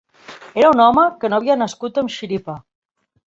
Era un home que no havia nascut amb xiripa